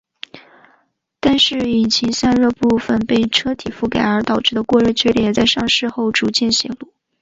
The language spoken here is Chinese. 但是引擎散热部份被车体覆盖而导致过热的缺点也在上市后逐渐显露。